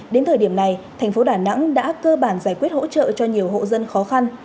đến thời điểm này thành phố đà nẵng đã cơ bản giải quyết hỗ trợ cho nhiều hộ dân khó khăn